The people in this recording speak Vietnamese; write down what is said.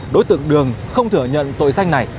đối tượng đường không thừa nhận tội danh này